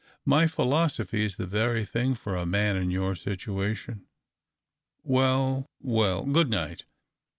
My philo sophy is the very thing for a man in your situation. Well, well — good night."